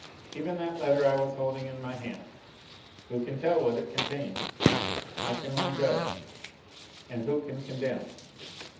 Even that letter I was holding in my hand who can tell what it contained ! How can one judge ? and who can condemn?